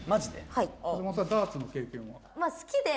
はい橋本さんダーツの経験は？